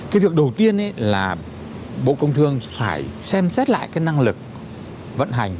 cái việc đầu tiên là bộ công thương phải xem xét lại cái năng lực vận hành